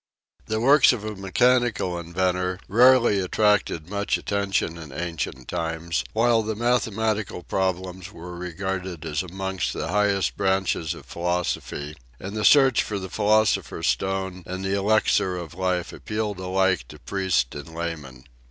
The works of a mechanical 36 PERPETUAL MOTION 37 inventor rarely attracted much attention in ancient times, while the mathematical problems were regarded as amongst the highest branches of philosophy, and the search for the philosopher's stone and the elixir of life appealed alike to priest and layman.